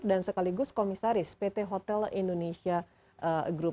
dan sekaligus komisaris pt hotel indonesia group